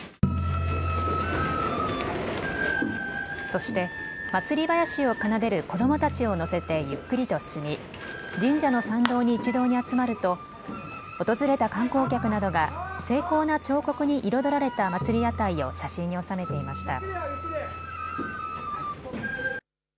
そして祭り囃子を奏でる子どもたちを乗せてゆっくりと進み、神社の参道に一堂に集まると訪れた観光客などが精巧な彫刻に彩られた祭屋台を写真に収めていました。